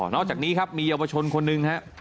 อกจากนี้ครับมีเยาวชนคนหนึ่งฮะ